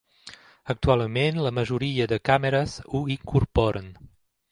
Actualment, la majoria de càmeres ho incorporen.